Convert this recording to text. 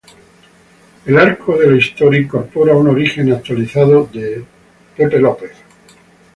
El arco de la historia incorpora un origen actualizado de Iron Man.